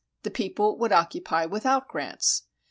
The people would occupy without grants.